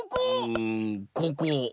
うんここ！